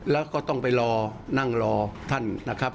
แล้วก็ต้องไปรอนั่งรอท่านนะครับ